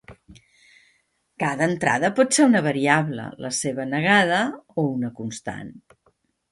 Cada entrada pot ser una variable, la seva negada o una constant.